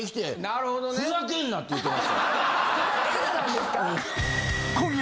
なるほどね。って言うてましたよ。